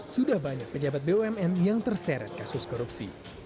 sudah banyak pejabat bumn yang terseret kasus korupsi